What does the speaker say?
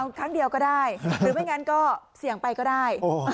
เอาครั้งเดียวก็ได้หรือไม่งั้นก็เสี่ยงไปก็ได้